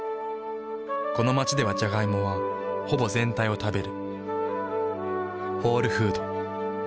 この街ではジャガイモはほぼ全体を食べる。